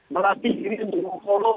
melatih ini untuk follow